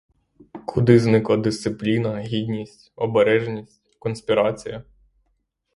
Куди зникла дисципліна, гідність, обережність, конспірація?